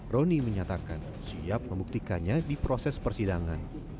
roni menyatakan siap membuktikannya di proses persidangan